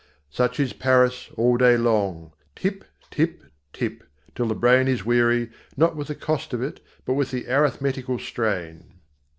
Such is Paris all day long. Tip, tip, tip, till the brain is weary, not with the cost of it, but with the arithmetical strain.